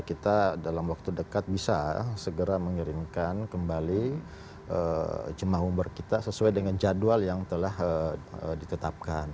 kita dalam waktu dekat bisa segera mengirimkan kembali jemaah umroh kita sesuai dengan jadwal yang telah ditetapkan